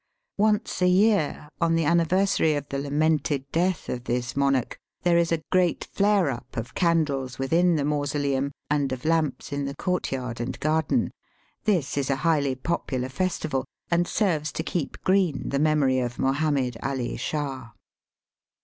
Once a year, on the anniversary of the lamented death of this monarch, there .is a great flare up of candles within the mausoleum and of lamps in the courtyard and garden. This is a highly popular festival and serves to keep green the memory of Mohammed Ali Shah.